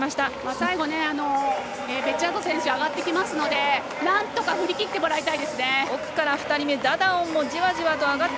最後、ベッジャート選手上がってくるのでなんとか振り切ってもらいたい。